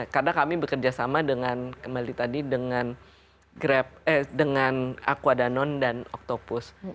karena kami bekerja sama dengan kembali tadi dengan grab eh dengan aqua danone dan octopus